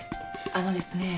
あのですね。